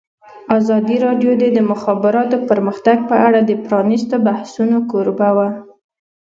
ازادي راډیو د د مخابراتو پرمختګ په اړه د پرانیستو بحثونو کوربه وه.